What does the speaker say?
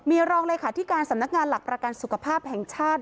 มีรองเลขาธิการสำนักงานหลักประกันสุขภาพแห่งชาติ